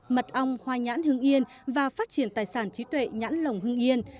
mật ong hoa nhãn hương yên và phát triển tài sản trí tuệ nhãn lồng hưng yên